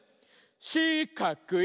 しかくい！